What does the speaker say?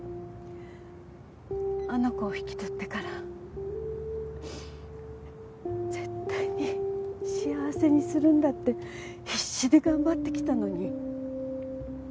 あの子を引き取ってから絶対に幸せにするんだって必死で頑張ってきたのに。